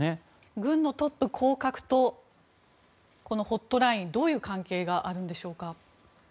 軍のトップ降格とホットラインどういう関係があるんでしょうか？